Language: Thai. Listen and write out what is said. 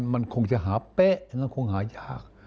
มันคงจะหาเป๊ะฉะนั้นคงหายาก